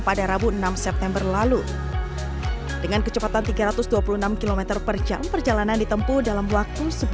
pada rabu enam september lalu dengan kecepatan tiga ratus dua puluh enam km per jam perjalanan ditempuh dalam waktu